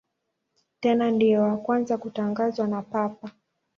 Tena ndiye wa kwanza kutangazwa na Papa.